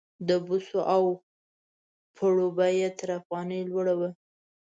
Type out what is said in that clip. د بوسو او پړو بیه تر افغانۍ لوړه وه.